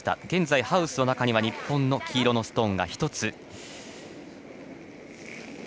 現在、ハウスの中には日本の黄色のストーンが１つ。